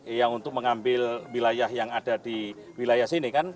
yang untuk mengambil wilayah yang ada di wilayah sini kan